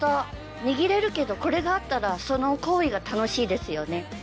握れるけどこれがあったらその行為が楽しいですよね。